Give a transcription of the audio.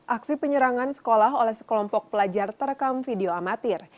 aksi penyerangan sekolah oleh sekelompok pelajar terekam video amatir